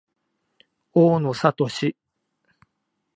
大野智